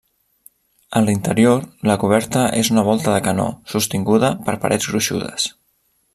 A l'interior la coberta és una volta de canó, sostinguda per parets gruixudes.